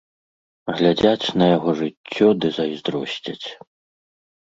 Глядзяць на яго жыццё ды зайздросцяць.